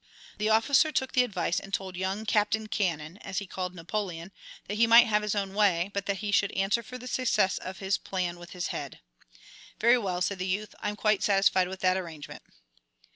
The officer took the advice and told young "Captain Cannon," as he called Napoleon, that he might have his own way, but that he should answer for the success of his plan with his head. "Very well," said the youth, "I'm quite satisfied with that arrangement."